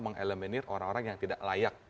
mengeleminir orang orang yang tidak layak